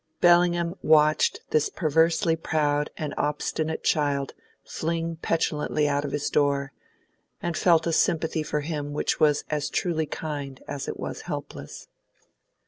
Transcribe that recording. Bellingham watched this perversely proud and obstinate child fling petulantly out of his door, and felt a sympathy for him which was as truly kind as it was helpless.